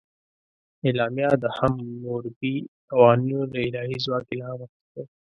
اعلامیه د حموربي قوانینو له الهي ځواک الهام اخیستی و.